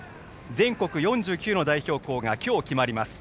全国４９の代表校が今日、決まります。